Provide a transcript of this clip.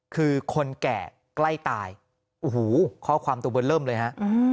คือคนแก่ใกล้ตายโอ้โหข้อความตัวเบอร์เริ่มเลยฮะ